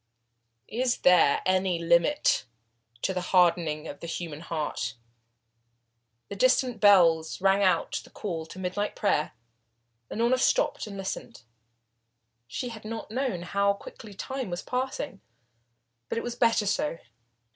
Is there any limit to the hardening of the human heart? The distant bells rang out the call to midnight prayer. Unorna stopped and listened. She had not known how quickly time was passing. But it was better so.